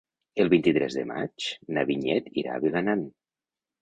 El vint-i-tres de maig na Vinyet irà a Vilanant.